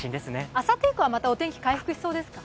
あさって以降はまたお天気回復しそうですか？